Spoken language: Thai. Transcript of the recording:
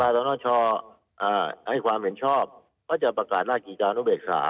สนชให้ความเห็นชอบก็จะประกาศราชกิจจานุเบกษา